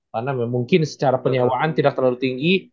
karena mungkin secara penyewaan tidak terlalu tinggi